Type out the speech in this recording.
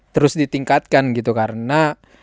terus ditingkatkan gitu karena